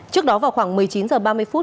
trước đó vào khoảng một mươi chín h ba mươi phút